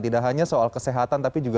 tidak hanya soal kesehatan tapi juga